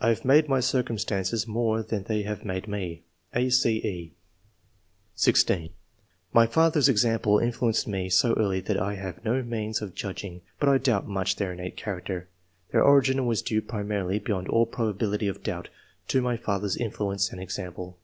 I have made my circumstances more than they have made me." (a, c, e) (16) "My father's example influenced me so early that I have no means of judging, but I doubt much their innate character. Their origin was due primarily, beyond all probability of doubt, to my father's influence and example.